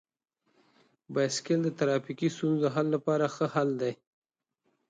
بایسکل د ټرافیکي ستونزو د حل لپاره ښه حل دی.